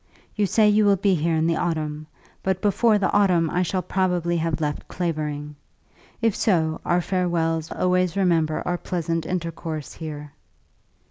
You say you will be here in the autumn; but before the autumn I shall probably have left Clavering. If so our farewells will be for very long, but I shall always remember our pleasant intercourse here."